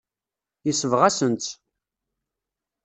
Yesbeɣ-asen-tt.